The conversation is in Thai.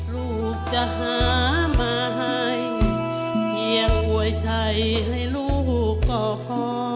ลูกจะหามาให้เพียงหวยชัยให้ลูกก็ขอ